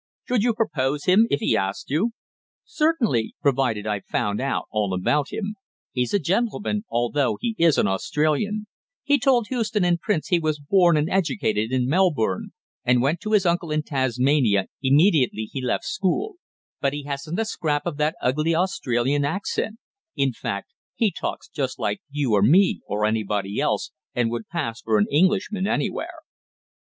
"Should you propose him if he asked you?" "Certainly, provided I found out all about him. He's a gentleman although he is an Australian he told Houston and Prince he was born and educated in Melbourne, and went to his uncle in Tasmania immediately he left school; but he hasn't a scrap of that ugly Australian accent; in fact, he talks just like you or me or anybody else, and would pass for an Englishman anywhere."